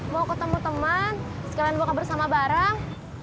mau ketemu teman sekalian mau kabar sama bareng